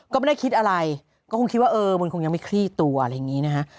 ก็ไม่ได้คิดอะไรก็คงคิดว่าเออมันคงยังไม่คลี่ตัวอะไรอย่างนี้นะฮะ